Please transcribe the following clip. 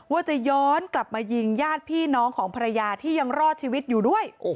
ว่าจะย้อนกลับมายิงญาติพี่น้องของภรรยาที่ยังรอดชีวิตอยู่ด้วย